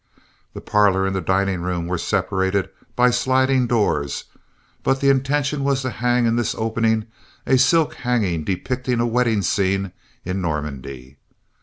The parlor and dining room were separated by sliding doors; but the intention was to hang in this opening a silk hanging depicting a wedding scene in Normandy.